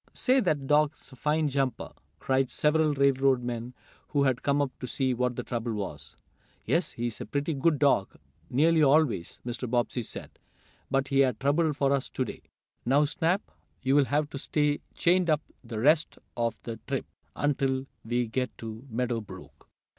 "Say, that dog's a fine jumper!" cried several railroad men who had come up to see what the trouble was. "Yes, he is a pretty good dog, nearly always," Mr. Bobbsey said, "but he made trouble for us to day. Now, Snap, you'll have to stay chained up the rest of the trip, until we get to Meadow Brook."